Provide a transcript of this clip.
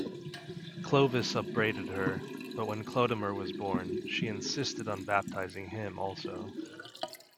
Clovis upbraided her; but when Chlodomer was born, she insisted on baptising him also.